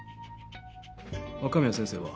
若宮先生は？